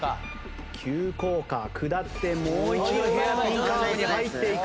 急降下下ってもう一度ヘアピンカーブに入っていく。